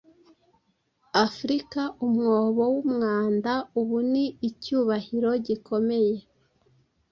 Africa'umwobo w'umwanda' ubu ni 'icyubahiro gikomeye'